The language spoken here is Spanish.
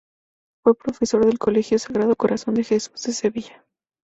Fue profesor del Colegio Sagrado Corazón de Jesús de Sevilla.